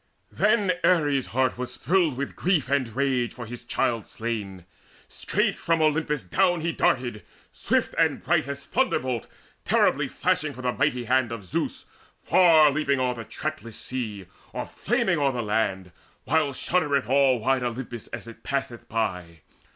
Then Ares' heart was thrilled with grief and rage For his child slain. Straight from Olympus down He darted, swift and bright as thunderbolt Terribly flashing from the mighty hand Of Zeus, far leaping o'er the trackless sea, Or flaming o'er the land, while shuddereth All wide Olympus as it passeth by.